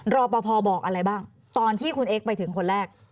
รอปภบอกอะไรบ้างตอนที่คุณเอ็กซ์ไปถึงคนแรก